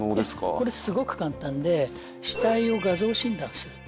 これすごく簡単で死体を画像診断する。